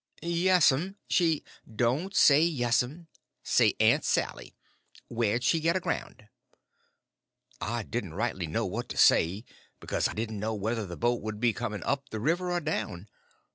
"Yes'm—she—" "Don't say yes'm—say Aunt Sally. Where'd she get aground?" I didn't rightly know what to say, because I didn't know whether the boat would be coming up the river or down.